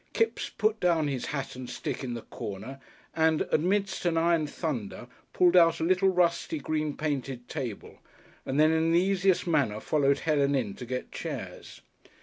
Kipps put down his hat and stick in the corner and, amidst an iron thunder, pulled out a little, rusty, green painted table, and then in the easiest manner followed Helen in to get chairs.